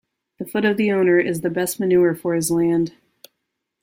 The foot of the owner is the best manure for his land.